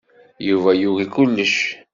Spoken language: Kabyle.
Yuba yugi kullec.